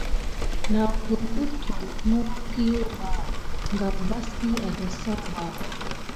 Naku nat trote mohhorkiwa ɓa kam vas kiyu a dasayu ɓa.